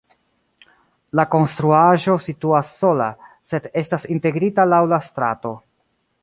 La konstruaĵo situas sola, sed estas integrita laŭ la strato.